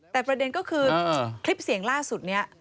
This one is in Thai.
แต่ประเด็นก็คือคลิปเสียงล่าสุดนี้